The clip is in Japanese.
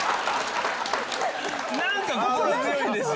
何か心強いんですよ。